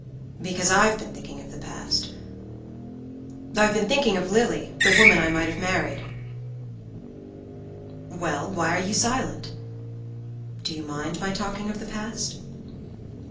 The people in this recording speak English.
"Because I've been thinking of the past. I've been thinking of Lily, the woman I might have married… Well, why are you silent? Do you mind my thinking of the past?"